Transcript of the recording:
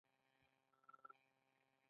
هغوی په خوښ باغ کې پر بل باندې ژمن شول.